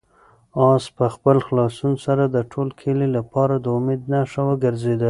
آس په خپل خلاصون سره د ټول کلي لپاره د امید نښه وګرځېده.